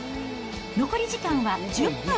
残り時間は１０分。